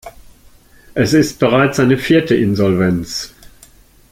Es ist bereits seine vierte Insolvenz.